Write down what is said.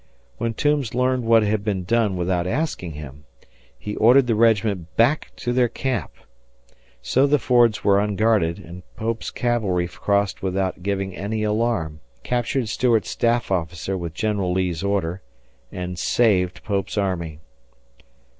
When Toombs learned what had been done without asking him, he ordered the regiment back to their camp. So the fords were unguarded, and Pope's cavalry crossed without giving any alarm, captured Stuart's staff officer with General Lee's order, and saved Pope's army.